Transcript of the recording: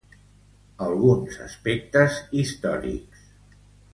Alguns aspectes històrics.